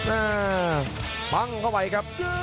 อ่าปั้งเข้าไปครับ